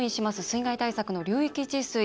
水害対策の流域治水。